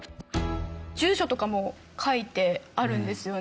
住所とかも書いてあるんですよね？